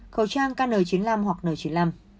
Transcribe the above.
khẩu trang kn chín mươi năm hoặc n chín mươi năm